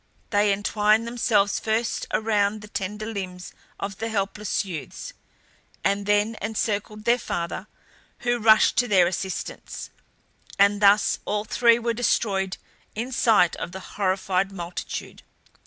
They entwined themselves first round the tender limbs of the helpless youths, and then encircled their father who rushed to their assistance, and thus all three were destroyed in sight of the horrified multitude.